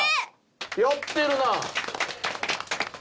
やってるな。